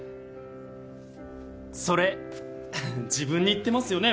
それ自分に言ってますよね？